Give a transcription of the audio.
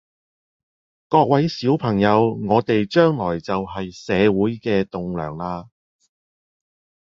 各位小朋友，我哋將來就係社會嘅棟樑啦